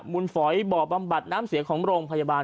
นฝอยบ่อบำบัดน้ำเสียของโรงพยาบาล